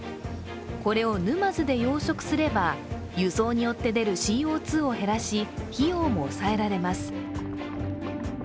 これを沼津で養殖すれば、輸送によって出るＣＯ２を減らし、費用も抑えられます。